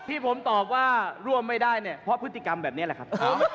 ที่ผมตอบว่าร่วมไม่ได้เนี่ยเพราะพฤติกรรมแบบนี้แหละครับ